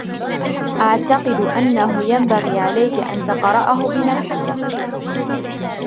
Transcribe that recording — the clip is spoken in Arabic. أعتقد أنه ينبغي عليك أن تقرأه بنفسك.